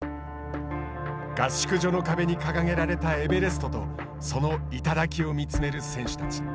合宿所の壁に掲げられたエベレストとその頂を見つめる選手たち。